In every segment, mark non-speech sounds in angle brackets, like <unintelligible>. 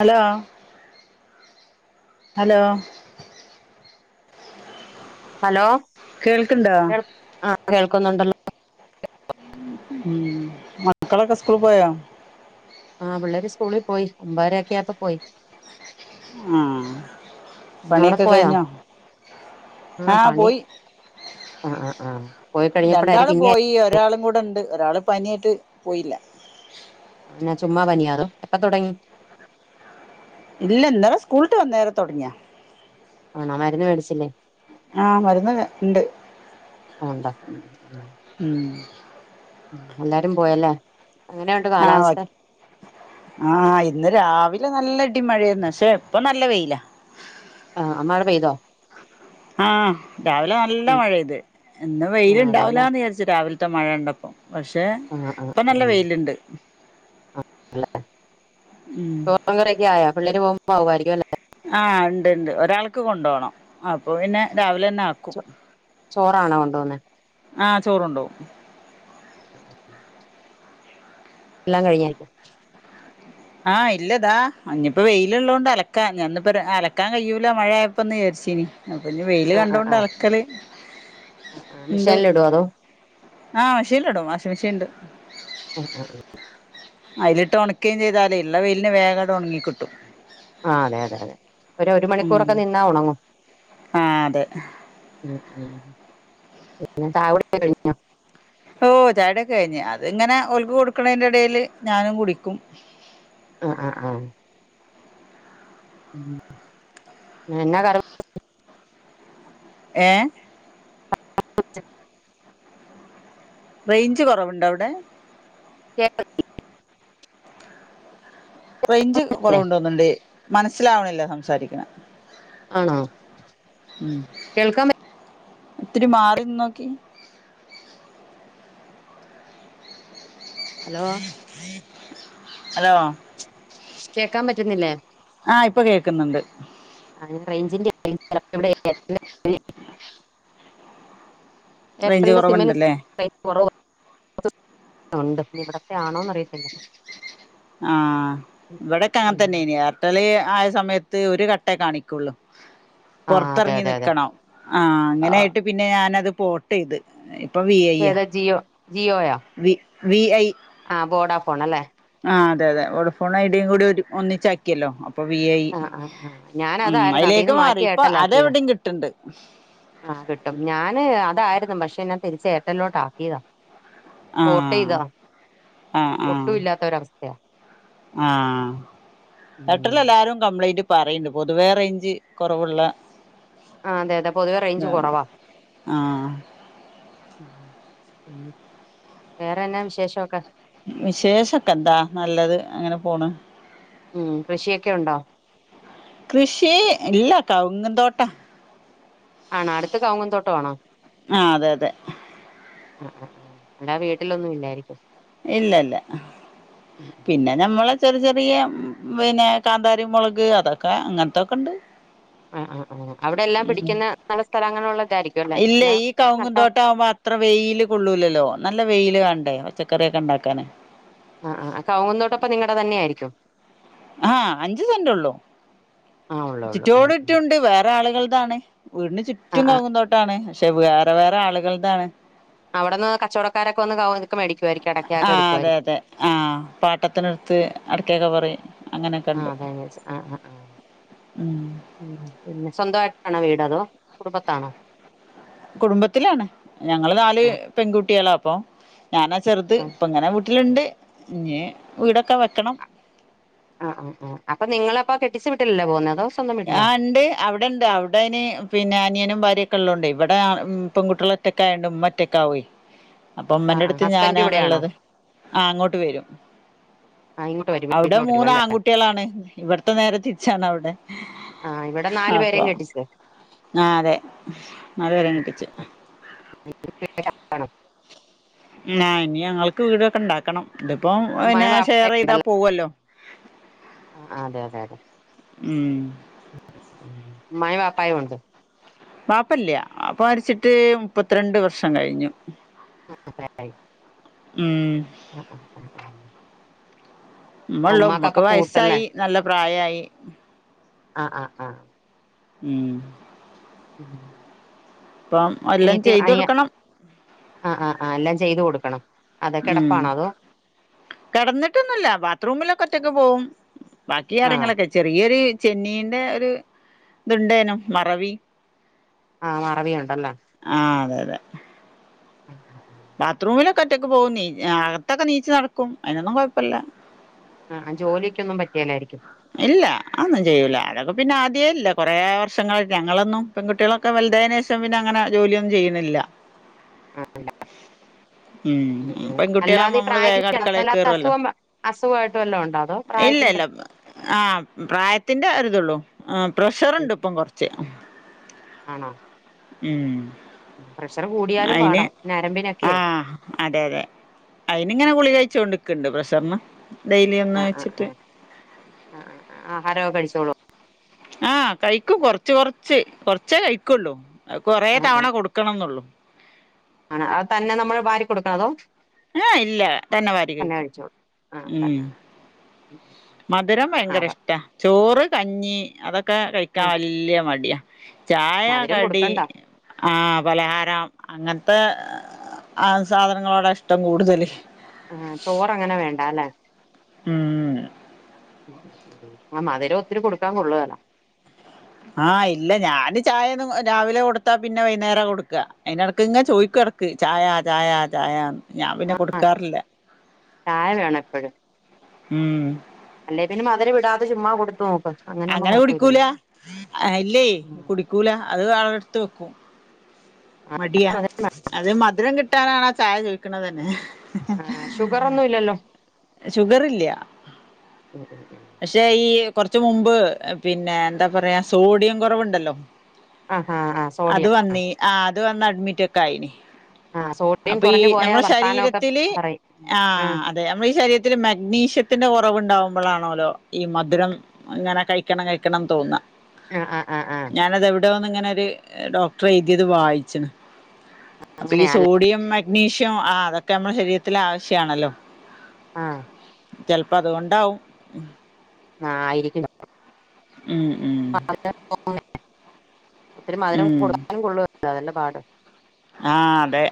Hello hello hello കേൾക്ക്‌ണ്ടോ ആഹ് കേൾക്കുന്നുണ്ടല്ലോ ഉം മക്കളൊക്ക്‌സ്കൂൾ പോയാ ആഹ് പിള്ളേര് സ്കൂളിൽ പോയി ഒമ്പതരൊക്കെയാപ്പോ പോയി ആഹ് അവിടെ പണിയൊക്കെ പോയോ കഴിഞ്ഞോ ആ ആഹ് പണി പോയി ആ ആ ആ പോയി രണ്ടാള് കഴിഞ്ഞപ്പോഴായിരിക്കും ഇനി പോയി ഒ രാളും കൂടെണ്ട് ഒരാള് പനിയായിട്ട് പോയില്ല അങ്ങനെ ചുമ്മാ പനിയാ തോ എപ്പ തുടങ്ങി ഇല്ല ഇന്നലെ സ്കൂളിട്ട് വന്നാരെ തുടങ്ങിയാ ആണോ മരുന്ന് മേടിച്ചില്ലേ ആഹ് മരുന്ന് ണ്ട് ആ ഉണ്ടോ ഉം ഉം എല്ലാരും പോയല്ലേ എങ്ങനെയുണ്ട് ആഹ് ഓ കാലാവസ്ഥ ആഹ് ഇന്ന് രാവിലെ നല്ല ഇടിംമഴായിര്ന്ന് പക്ഷേ ഇപ്പൊ നല്ല വെയില ആഹ് മഴ പെയ്തോ ആഹ് രാവിലെ നല്ല മഴെയ്ത് ഇന്ന് ആ അതെല്ലേ വെയിലുണ്ടാവൂലാന്ന് വിചാരിച്ചു രാവിൽ ത്ത മഴണ്ടപ്പൊ പക്ഷേ ആഹ് ആഹ് പ്പൊ നല്ല വെയില്ണ്ട് അല്ലെ ഉം ചോറുങ്കറിക്കെ ആയാ പിള്ളേര് പോകുമ്പോ ആകുമായിരിക്കും അല്ലെ ആഹ് ണ്ട്ണ്ട് ഒരാൾക്ക് കൊണ്ടോണം അപ്പൊ പിന്നെ രാവിലെന്നാക്കും അല്ലേ ചോറാണോ കൊണ്ടു പോന്നേ ആഹ് ചോറൊണ്ടോവും <inaudible> എല്ലാം കഴിഞ്ഞായിരിക്കും. ആഹ് ഇല്ലതാ ഇനിപ്പോ വെയിലുള്ളള്ളത് കൊണ്ട് അലക്കാ ഞനിന്ന്പ്പ അലക്കാൻ കഴിയൂല മഴയായപ്പോന്ന് വിചരിച്ചീനി. അപഞ്ഞി വെയില് ആ ആ കണ്ടുകൊണ്ട് ആ അലക്കല്. ആ ഇണ്ട് മെഷീനിലിടുവോ അതോ ആഹ് മെഷീൻല്ടും വാഷിംഗ് മെഷീൻ ഇണ്ട്. ആഹ ആഹ ആഹ അയിലിട്ട് ഉണക്കുകയും ചെയ്താലേ ഇള്ള വെയിലിന് വേഗ ണ് ഉണങ്ങി കിട്ടും. ആ അതെ അതെ അതെ ഒരു ഒരു ഉം മണിക്കൂറൊക്കെ നിന്നാ ഉണങ്ങും. ആഹ് അതെ ഉം ഉം പിന്നെ ചായകുടിക്കെ കഴിഞ്ഞോ? ഓ ചായുടിക്കെ കഴിഞ് അത് ഇങ്ങനെ ഒൽക്ക് കൊടുക്കണതിന്റെ ഇടയിൽ ഞാനും കുടിക്കും. ആഹ ആഹ ആഹ ഉ എന്നാ കറി ഏ <unintelligible> റേഞ്ച് കൊറവുണ്ടൊ അവടെ? ക്കേക്കൾ റേഞ്ച് കൊറവുണ്ട് തോന്ന്ണ്ട് മനസ്സിലാവ്ണില്ല സംസാരിക്ക്ണെ. ആണോ ഉം കേൾക്കാൻ പ ത്തിരി മാറിന്നോക്കി. അലോ. അലോ കേക്കാം പറ്റുന്നില്ലേ? ആഹ് ഇപ്പൊ കേൾക്ക്ന്നുണ്ട്. ആ റേഞ്ചിന്റെ ഇവടെ ഏർട്ടൽന്റെ റേഞ്ച് ഏർട്ടൽന്റെ സിമ്മാന്ന് കുറവുണ്ടല്ലേ ച്ചാ കൊറവ് ഉണ്ട് ഇവിടത്തെ ആണോ ന്നറിയത്തില്ല. ആഹ് ഇവടെക്കെ അങ്ങൻ തന്നെണ് ഏർട്ടേല് ആയ സമയത്ത് ഒരു കട്ടേ കാണിക്കും. ഉള്ളു ആഹ് അതെ പൊറത്തറങ്ങി അതെ അതെ നിക്കണം ആഹ്‌ അങ്ങനേ ആയിട്ട് ആഹ് പിന്നെ ഞാനത് പോ ട്ടീത്, ഇപ്പൊ വി ഐ യാ ഏതാ ജിയോ വി വീ അയ് ആ ബോഡാ പോൺ അല്ലേ. ആഹ്‌ അതെ അതെ വോഡ ഫോൺ ഐഡിയും കൂടി ഒരു ഒന്നിച്ചാക്കിയല്ലോ അ ഇപ്പൊ വി ഐ ആഹ് ആഹ് ആഹ് ഉം ഞാനതായിരുന്നു അതീന്ന് അയ്ലേക്ക് മാറി മാറ്റി ഇപ്പൊ അതെവിടിം കിട്ട്ണ്ട്. ആഹ്‌ കിട്ടും ഞാന് അതായിരുന്നു പക്ഷെ എന്നാ തിരിച് ഏർട്ടലിലോട്ട് ആക്കിയതാ. ആഹ് പോർട്ടീതതാ ആഹ് ആഹ് ഒട്ടും ഇല്ലാത്ത ഒരവസ്ഥയാ. ആഹ് ഏർട്ടൽല് ഉം എല്ലാരും കംപ്ലൈന്റ് പറയ്ണ്ട് പൊതുവേ റേഞ്ച് കൊറവുള്ള ആ അതെ അതെ പൊതുവെ റേഞ്ച് കൊറവാ. ആഹ് വേറെന്നാ വിശേഷക്കെ? വിശേഷൊക്കെ എന്താ നല്ലത് അങ്ങനെ പോണ്. ഉം കൃഷിയൊക്കെ ഉണ്ടോ? കൃഷി ഇല്ല കവുങ് തോട്ടാ. ആണോ അടുത് കവുങ്ങും തോട്ടൊ ആണോ? ആഹ്‌ അതെ അതെ. ആ ആ ആ അല്ലാതെ വീട്ടിലൊന്നും ഇല്ലായിരിക്കും. ഇല്ലല്ല പിന്നെ ഞമ്മള് ചെറി ചെറിയ പിന്നെ കാന്താരിമൊളക് അതൊക്കെ അങ്ങൻത്തൊക്കെ ഉണ്ട്. ആ ആ ആ അവടെ എല്ലാം പിടിക്കുന്ന നല്ല സ്ഥലങ്ങളുള്ള തായിരിക്കും. ഇല്ലേയ് ഈ ക്കവുങ് തോട്ടാവുമ്പോ അ അത്ര വെയില് കൊള്ളൂലല്ലോ നല്ല വെയില് വേണ്ടേ പച്ചക്കറിയൊക്കെ ണ്ടാക്കാന്. ആ ആ അ കവുങ് തോട്ടപ്പ നിങ്ങടെ തന്നെ ആയിരിക്കും. ആഹ് അഞ്ച് സെന്റ്ഒള്ളു ആ ഉള്ളൂ ഉള്ളൂ ഉം ചുറ്റോട് ഉം ചുറ്റുണ്ട് വേറെ ആളുകൾതാണ്. വീടിന് ആ ചുറ്റും ആ കവുംങ്ങുംതോട്ടാണ് പക്ഷെ വേറെ വേറെ ആളുകൾതാണ്. അവടെന്ന് കച്ചവടക്കാരൊക്കെന്ന് കവുംങ് മേടിക്കുവായിരികും അടെ. ആഹ്‌ അതെ അതെ ആഹ്‌ പാട്ടത്തിനെടുത്ത് അടക്കൊക്കെ പറിം ആ അങ്ങനക്കണ്ട്. അതാ ഞാൻ ചോദിച്ചെ ആ ആ ആ പിന്നെ സ്വന്തായിട്ടാണോ വീട് അതോ കുടുംബത്താണോ? കുടുംബത്തിലാണ് ഞങ്ങള് നാല് ആ പെൺകുട്ട്യാളാ അപ്പൊ ഞാനാ ചെറുത് ഇപ്പം ഇങ്ങനെ വീട്ടില്ണ്ട് ഇഞ്ഞി വീടൊക്കെ വെക്കണം. ആ ആ ആ ആ അപ്പൊ നിങ്ങളെ അപ്പോ കെട്ടിച്ച വിട്ടിലല്ലോ പോകുന്നത്? സ്വന്തം വീട്ടിലോ ആഹ്‌ ണ്ട്. അവിടെ ഉണ്ട് അവടയ്ന് പിന്നെ അനിയനും ഭാര്യൊക്കെ ഉള്ളോണ്ട് ഇവിടെ പെൺകുട്ട്യോള് ഒറ്റക്കായോണ്ട് ഉമ്മഒറ്റക്കാവോയ്‌. അപ്പൊ ആ ഉമ്മന്റെ ആ അടുത്ത് ഹസ്ബൻഡ് ഇവിടെയാണോ ഞാനാണള്ളത് ആഹ് അങ്ങോട്ട് വരും. ആ ഇങ്ങോട്ട് വരും അവിടെ വീട്ടിലോട്ട് വരും മൂന്ന് അല്ലേ ആൺകുട്ട്യോളാണ് ഇവിടത്തെ നേരെ തിരിച്ചാണ് അവിടെ. ആഹ് ഇവിടെ നാല് പേരെയും കെട്ടിച്ച്. ആഹ് അതെ നാല് ആ പേരയും കെട്ടിച്ച്. ആ ആണോ ആഹ് ഇനി ഞങ്ങൾക്ക് വീടൊക്കെ ഇണ്ടാക്കണം ഇതിപ്പോം പിന്നെ ഉമ്മായും ഷെയർ വാപ്പായും ചെയ്താ പോവല്ലോ. ആഹ് അതെ അതെ അതെ. ഉം. ഉമ്മായും ബപ്പായും ഉണ്ട്. വാപ്പല്ല വാപ്പ മരിച്ചിട്ട് മുപ്പത്തിരണ്ട് വർഷം കഴിഞ്ഞു. <unintelligible> ആഹ്. <unintelligible> ആ, ഉമ്മള്ളു ഉമ്മാക്ക് ഉമ്മക്ക് അപ്പൊ കൂട്ടല്ലേ വയസ്സായി നല്ല പ്രായായി. ആഹ് ആഹ് ആഹ്. ഉം. ഉം. ഇപ്പം എല്ലാം അനിയത്തി ചെയ്തു അനിയ കൊടുക്കണം ആഹ് ആഹ് ആഹ് എല്ലാം ചെയ്തു കൊടുക്കണം. അതെ ഉം കിടപ്പാണോ അതോ കിടന്നിട്ടൊന്നുല്ല ബാത്റൂമിലൊക്കെ ഒറ്റക്ക് പോവും. ബാക്കി ആ കാര്യങ്ങളൊക്കെ ചെറിയൊരു ചെന്നീന്റെ ഒരു ഇത്ണ്ടേനും മറവി. ആഹ് മറവിയുണ്ടല്ലേ. ആഹ് അതെ അതെ. <unintelligible> ബാത്റൂമിലൊക്കെ ഒറ്റൊക്ക് പോകും നീ അകത്തൊക്കെ നീച്ചു നടക്കും അതിനൊന്നും കുഴപ്പല്ല. ആഹ് ജോലിക്ക് ഒന്നും പറ്റിയല്ലായിരിക്കും. ഇല്ല അതോന്നും ചെയ്യൂല അതൊക്കെ പിന്നെ ആദ്യമേ ഇല്ല കുറേ വർഷങ്ങളായി ഞങ്ങളൊന്നും. പെൺകുട്ട്യാളൊക്കെ വലുതായതിന് ശേഷം പിന്നെ അങ്ങനെ ജോലി ഒന്നും ചെയ്യണില്ല. ഉം ഉം. പെൺകുട്ട്യോൾ ആവുമ്പോ അല്ലാതെ ഈ അമ്മള് വേഗം പ്രായത്തിന്റെ അടുക്കളേ അല്ലാതെ കേറൊല്ലോ. അസുഖം അസുഖമായിട്ട് വല്ലോം ഉണ്ടോ അതോ പ്രായത്തിന്റെ ഇല്ലല്ല ആഹ് പ്രായത്തിന്റെ ഒരുതുള്ളൂ. ആഹ് ഉം പ്രഷറ്ണ്ട് ഇപ്പം കൊറച്ച് ഉം. പ്രഷറ് കൂടിയാലും അയിന് പാടാ ഞരമ്പിനൊക്കെയെ. ആഹ് അതെ അതെ അയ്ന്ന് ഇങ്ങനെ ഗുളിക കഴിച്ചോണ്ട് നിക്ക്ന്ന്ണ്ട് പ്രഷറിന്. ഡെയിലി ഒന്ന് ആഹ് ആഹ് വെച്ചിട്ട് ആഹ് ആഹ് ആഹാരൊക്കെ കഴിച്ചോളോ. ആഹ് കയ്ക്കും കൊറച്ച് കൊറച്ച് കൊറച്ചേ കഴിക്കുള്ളൂ കൊറേ ആഹ് തവണ ആഹ് കൊടു ക്കണം നോള്ളൂ. ആണ് അത് തന്നെ നമ്മൾ വാരി കൊടുക്കണതോ. ആഹ് ഇല്ല തന്നെ വാരി കഴിക്കും ആഹ് ഉം. തന്നെ <inaudible> മധുരം ഭയങ്കര ആഹ് ഇഷ്ടാ ചോറ് കഞ്ഞി അതൊക്കെ കഴിക്കാൻ ആഹ് വലിയ മടിയാ. ചായാ മധുരം കടി. കൊടുക്കണ്ട ആഹ് പലഹാരം അങ്ങനത്തെ ആഹ് സാധനങ്ങളോടാ ഇഷ്ടം കൂടുതല്. ആഹ് ചോറങ്ങനെ വേണ്ടാല്ലേ. ആഹ് ആഹ് മധുരം ഒത്തിരി കൊടുക്കാൻ കൊള്ളുകേല്ല ആഹ് ഇല്ല ഞാന് ചായ ഒന്നും രാവിലെ കൊടുത്താ പിന്നെ വൈകുന്നേരം കൊടുക്കുക അതിനിടക്ക് ഇങ്ങ് ചോയിക്കുക <unintelligible> ചായ ചായ ചായാന്ന് ഞാൻ പിന്നെ ആഹ് കൊടുക്കാറില്ലാ. ചായ വേണം എപ്പഴും ഉം അല്ലേ പിന്നെ മധുരം ഇടാതെ ചുമ്മാ കൊടുത്തു നോക്ക് ആകുമ്പോ അങ്ങനെ കുഴപ്പമില്ലല്ലോ കുടിക്കൂലാ ആഹ് ഇല്ലേ കുടിക്കൂലാ അത് അവിടെടുത്ത് വെക്കും ആഹ് മടിയാ അത് മധുരം കിട്ടാനാണ് ആ ചായ ചോയിക്കണതെന്നെ ആഹ് ഷുഗർ ഒന്നും ഇല്ലല്ലോ ഷുഗർ ഇല്ലാ ഉം ഉം ഉം പക്ഷേ ഈ കൊറച്ച് മുമ്പ് പിന്നെ എന്താ പറയാ സോഡിയം കൊറവുണ്ടല്ലോ? ആഹ് ആഹ് ആഹ് അത് സോഡിയം വന്നി ആഹ് അത് വന്ന് അഡ്മിറ്റ് ഒക്കെ ആയിന് ആഹ് സോഡിയം അപ്പൊ ഈ കുറഞ്ഞു പോയാ ഞമ്മളെ വർത്താനമൊക്കെ ശരീരത്തില് പറയും ആഹ് അത് നമ്മളെ ഈ ശരീരത്തില് മഗ്നീഷ്യത്തിന്റെ കൊറവുണ്ടാവുമ്പോഴാണോലോ ഈ മധുരം ഇങ്ങനെ കഴിക്കണം കഴിക്കണന്ന് തോന്നാ ആഹ് ആഹ് ആഹ് ആഹ് ഞാനത് എവിടോന്ന് ഇങ്ങനൊരു ഏഹ് ഡോക്ടറെഴുതിയത് വായിച്ചണ് അപ്പൊ ഈ അങ്ങനെയാല്ലേ സോഡിയം മഗ്നീഷ്യം ആഹ് അതൊക്കെ നമ്മളെ ശരീരത്തിലാവശ്യാണല്ലോ ആഹ് ചെലപ്പം അതുകൊണ്ടാവും ആയിരിക്കുണു ഉം ഉം <unintelligible> ഒത്തിരി മധുരം ഉം കൊടുക്കാനും <unintelligible> അതല്ലേ പാട് ആഹ് അതെ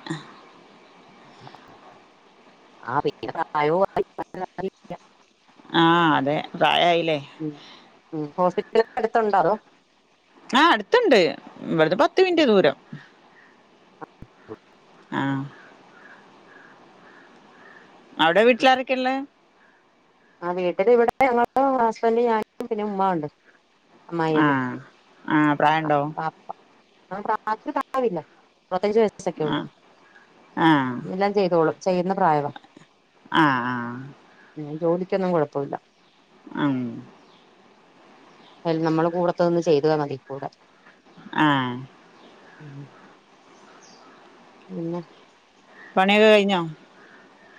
ആഹ് പിന്നെ പ്രായോം ആയി <unintelligible> ആഹ് അതെ പ്രായായില്ലേ ഉം ഉം ഹോസ്പിറ്റലൊക്കെ അടുത്തുണ്ടോ അതോ? ആഹ് അടുത്തുണ്ട് ഇവിടുന്ന് പത്തു മിനിറ്റ് ദൂരം ആഹ് അവിടെ വീട്ടിലാരൊക്കെയാള്ളേ? ആഹ് വീട്ടില് ഇവിടെ ഞങ്ങള് ഹസ്ബൻഡും ഞാനും പിന്നെ ഉമ്മാണ്ട് അമ്മായി ആ അമ്മ ആ പ്രായണ്ടോ <unintelligible> പ്രായ <unintelligible> അറുപത്തഞ്ച് വയസ്സ് ആ സെക്കോള്ളും ആ എല്ലാം ചെയ്തോളും ചെയ്യുന്ന പ്രായവാ ആഹ് ആഹ് ഉം ജോലിക്കൊന്നും കൊഴപ്പൊല്ലാ ആഹ് അയില് നമ്മളെ കൂടെത്തൊന്ന് ചെയ്താ മതി കൂടെ ആഹ് ഉം പിന്നെ പണിയൊക്കെ കഴിഞ്ഞോ?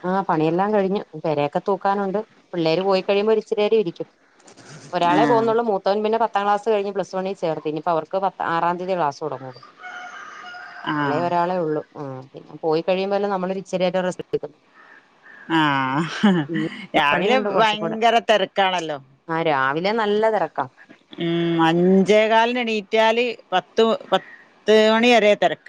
ആഹ് പണിയെല്ലാം കഴിഞ്ഞ് പെരയൊക്കെ തൂക്കാനുണ്ട് പിള്ളേര് പോയി കഴിയുമ്പോ ഒരു ഇച്ചിരി നേരം ഇരിക്കും ആ ഒരാളെ പോന്നുള്ളു മൂത്ത് ത്തവൻ പിന്നെ പത്താം ക്ലാസ് കഴിഞ്ഞ് പ്ലസ് വണ്ണി ചേർത്തി ഇനിയിപ്പ അവർക്ക് പത്ത് ആറാം തീയതിയേ ക്ലാസ് തൊടങ്ങുള്ളൂ ആ എളയ ഒരാളെ ഉള്ളൂ ഉം പിന്നെ പോയി കഴിയുമ്പെല്ലാം നമ്മളൊരു ഇച്ചരിയൊക്കെ റെസ്ററ് എടുക്കും ആഹ് രാവിലെ ഭയങ്കര തെരക്കാണല്ലോ ആഹ് രാവിലെ നല്ല തെരക്കാ ഉം അഞ്ചേകാലിന് എണീറ്റാല് പത്ത് പത്ത് മണി വരെ തെരക്ക്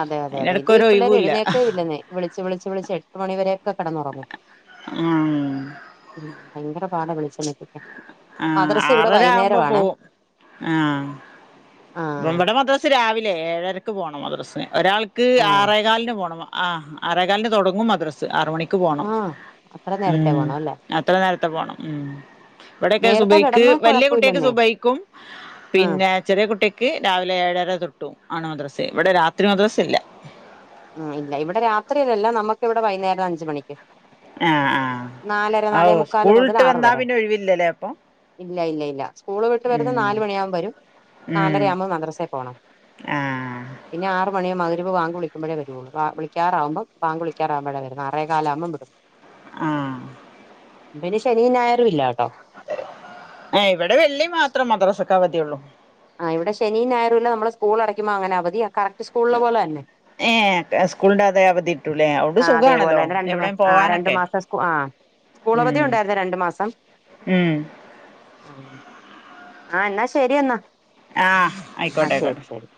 അതെ അതെ തെ ഇത് പിള്ളേരെ എഴുന്നേക്കേയില്ലന്നേ വിളിച്ച് വിളിച്ച് വിളിച്ച് എട്ട് മണിവരെയൊക്കെ കെടന്നുറങ്ങും ആഹ് ഉം ഭയങ്കര പാടാ വിളിച്ചോണത്തി ആഹ് ആറര ആവുമ്പോ പോവും ആഹ് ആ ഇവിടെ മദ്രസ് രാവിലെ ഏഴരക്ക് പോണം മദ്രസിന് ഒരാൾക്ക് ആ ആറേകാലിന് പോണം ആഹ് ആറെകാലിന് തൊടങ്ങും മദ്രസ് ആറ് മണിക്ക് പോണം ആ അത്ര നേരത്തെ ഉം പോണം അല്ലേ അത്ര നേരത്തെ പോണം ഉം ഇവിടെക്കെ നേരത്തെ സുബൈക്ക് കിടന്നാ വലിയ കുട്ടിയക്ക്‌ കുഴപ്പമില്ലെന്നേ സുബൈക്കും ആ പിന്നെ ചെറിയ കുട്ടിയ ക്ക് രാവിലെ ഏഴര തൊട്ടും ആണ് മദ്രസ് ഇവിടെ രാത്രി മദ്രസ ഇല്ല ഉം ഇല്ല ഇവിടെ രാത്രിയിലല്ല നമുക്ക് ഇവിടെ വൈന്നേരം അ‍ഞ്ച് മണിക്ക് ആഹ് നാലര ആഹ് നാലേ ഓഹ് മുക്കാല് മുതൽ സ്കൂളിട്ട് ആറ് വന്നാ വരെ പിന്നെ ഒഴിവില്ലല്ലേ അപ്പൊ ഇല്ല ഇല്ല ഇല്ല സ്കൂള് വിട്ട് വരുന്ന ഉം നാല് മണിയാമ്പൊ വരും ഉം നാലര ആവുമ്പോ മദ്രസേ പോണം ആഹ് പിന്നെ ആറ് മണിയാവും മഗ്‌രിബ് ബാങ്ക് വിളി അപ്പഴേ വരുവൊള്ളു ബാ വിളിക്കാറാവുമ്പം ബാങ്ക് വിളിക്കാറാവുമ്പഴാ വരുന്നേ ആറെകാലാകുമ്പം വിടും ആഹ് പിന്നെ ശനിയും ഞായറും ഇല്ല കേട്ടോ അതെ ഏഹ് ഇവടെ വെള്ളി മാത്രം മദ്രസക്ക്‌ അവധിയൊള്ളു ആഹ് ഇവടെ ശനിം ഞായറും ഇല്ല നമ്മള് സ്കൂൾ അടക്കുമ്പോ അങ്ങനെ അവധി കറക്റ്റ് സ്കൂളലെ പോലതന്നെ ഏഹ് സ്കൂളിന്റെ അതെ അവധി കിട്ടൂലേ അതുകൊണ്ട് ആഹ് സുഖാണല്ലോ അതേപോലന്നെ ആഹ് രണ്ടു എവിടെയും മാസം ആ രണ്ടു പോവാനൊക്കെ മാസം സ്കു ആഹ് സ്‌കൂളവധി ഉം ഒണ്ടായിരുന്നു രണ്ടു മാസം ഉം ആഹ് ആഹ് എന്നാ ശരി എന്നാ ആഹ് ആയിക്കോട്ടെ ആഹ് ശരി ആയിക്കോട്ടെ ശരി